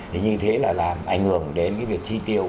thì như thế là làm ảnh hưởng đến cái việc chi tiêu